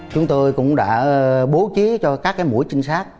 chúng tôi cũng đã bố trí cho các mũi trinh sát